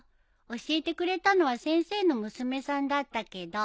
教えてくれたのは先生の娘さんだったけど。